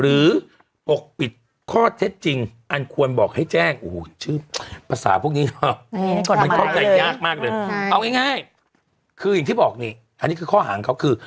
คืออย่างที่บอกนี่อันนี้คือข้อหางเขาคือ